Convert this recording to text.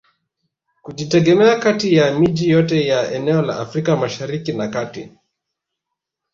Kujitegemea kati ya miji yote ya eneo la Afrika masahariki na kati